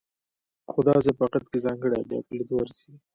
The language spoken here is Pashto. خو دا ځای په حقیقت کې ځانګړی دی او په لیدلو ارزي.